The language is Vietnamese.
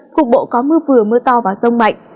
cục bộ có mưa vừa mưa to và rông mạnh